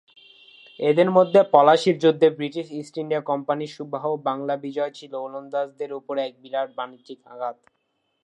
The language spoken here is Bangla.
এদের মধ্যে পলাশীর যুদ্ধে ব্রিটিশ ইস্ট ইন্ডিয়া কোম্পানির সুবাহ বাংলা বিজয় ছিল ওলন্দাজদের উপরে এক বিরাট বাণিজ্যিক আঘাত।